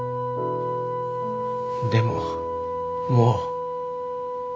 でももう。